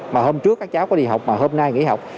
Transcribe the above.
mà hôm trước các cháu có đi học mà hôm nay nghỉ học